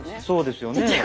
そうですよね。